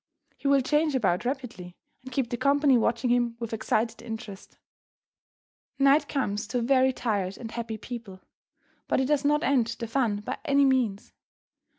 He will change about rapidly, and keep the company watching him with excited interest. Night comes to very tired and happy people, but it does not end the fun by any means.